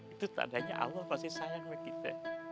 itu tandanya allah pasti sayang sama kita